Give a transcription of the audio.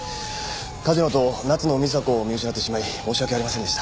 梶野と夏野美紗子を見失ってしまい申し訳ありませんでした。